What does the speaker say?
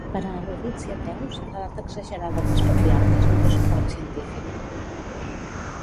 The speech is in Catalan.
Per a erudits i ateus, l'edat exagerada dels patriarques no té suport científic.